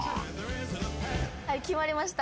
はい決まりました。